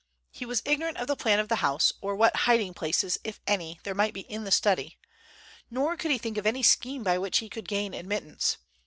He was ignorant of the plan of the house, or what hiding places, if any, there might be in the study, nor could he think of any scheme by which he could gain admittance.